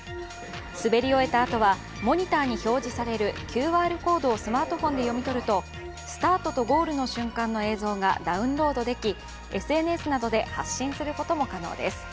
滑り終えたあとはモニターに表示されるＱＲコードをスマートフォンで読み取るとスタートとゴールの瞬間の映像が影像がダウンロードでき、ＳＮＳなどで発信することも可能です。